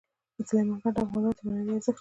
سلیمان غر افغانانو ته معنوي ارزښت لري.